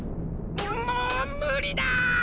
もうむりだ！